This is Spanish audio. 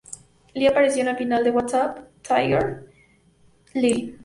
Lee apareció al final de "What's Up, Tiger Lily?